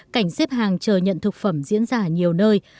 cảnh xếp hàng chờ nhận thực phẩm diễn ra ở nhiều nơi